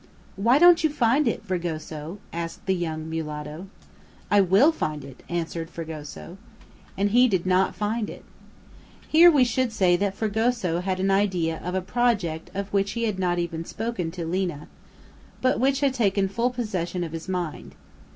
"Why don't you find it, Fragoso?" asked the young mulatto. "I will find it," answered Fragoso. And he did not find it! Here we should say that Fragoso had an idea of a project of which he had not even spoken to Lina, but which had taken full possession of his mind.